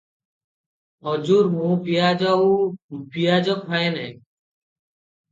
ହଜୁର ମୁଁ ପିଆଜ ଆଉ ବିଆଜ ଖାଏ ନାହିଁ ।